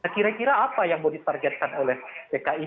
kira kira apa yang mau ditargetkan oleh dki